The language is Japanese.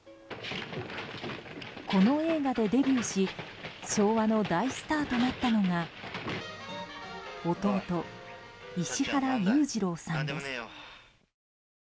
この映画でデビューし昭和の大スターとなったのが弟・石原裕次郎さんです。